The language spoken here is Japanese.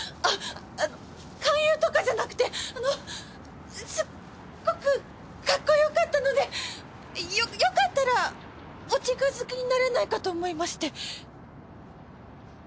あっ勧誘とかじゃなくてあのすっごくかっこよかったのでよかったらお近づきになれないかと思いまして。